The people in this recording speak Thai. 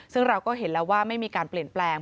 ซึ่งเราก็เห็นแล้วว่าไม่มีการเปลี่ยนแปลง